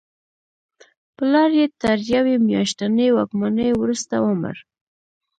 پلار یې تر یوې میاشتنۍ واکمنۍ وروسته ومړ.